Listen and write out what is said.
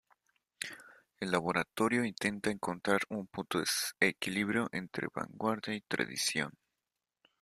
El "laboratorio" intenta encontrar un punto de equilibrio entre vanguardia y tradición.